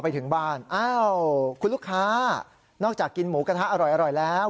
ไปถึงบ้านอ้าวคุณลูกค้านอกจากกินหมูกระทะอร่อยแล้ว